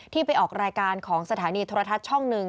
ไปออกรายการของสถานีโทรทัศน์ช่องหนึ่ง